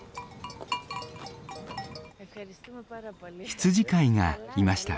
羊飼いがいました。